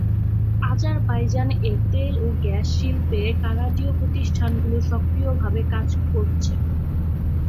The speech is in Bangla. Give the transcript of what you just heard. আজারবাইজান এর তেল ও গ্যাস শিল্পে কানাডীয় প্রতিষ্ঠানগুলো সক্রিয়ভাবে কাজ করছে।